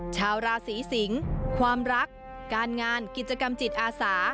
ชาวราศีสิงศ์ความรักการงานกิจกรรมจิตอาสา